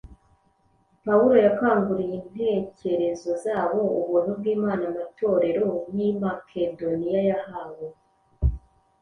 Pawulo yakanguriye intekerezo zabo “ubuntu bw’Imana amatorero y’i Makedoniya yahawe.